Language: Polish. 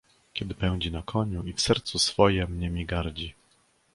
"kiedy pędzi na koniu i w sercu swojem niemi gardzi!"